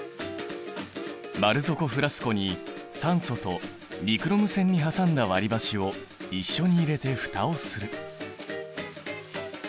丸底フラスコに酸素とニクロム線に挟んだ割りばしを一緒に入れて蓋をする。